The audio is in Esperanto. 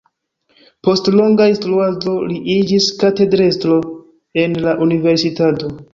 Post longa instruado li iĝis katedrestro en la universitato.